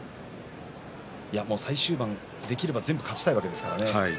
最終盤、できれば全部勝ちたいだけですからね。